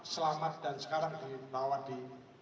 selamat dan sekarang dibawa di